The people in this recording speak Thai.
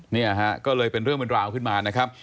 เนี่ยฮะก็เลยเป็นเรื่องเป็นราวขึ้นมานะครับ